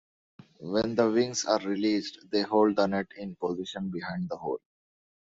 When the wings are released, they hold the nut in position behind the hole.